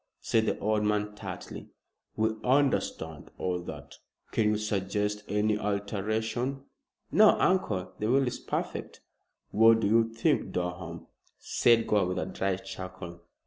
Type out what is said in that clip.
said the old man tartly. "We understand all that. Can you suggest any alteration?" "No, uncle. The will is perfect." "What do you think, Durham?" said Gore, with a dry chuckle.